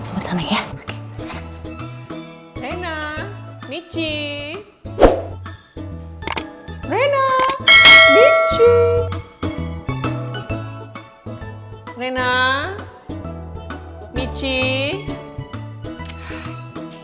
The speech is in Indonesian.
kayaknya ada yang mumpet